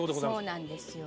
そうなんですよ。